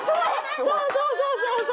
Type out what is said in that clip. そうそうそうそうそう！